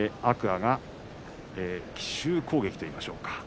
天空海が奇襲攻撃といいましょうか。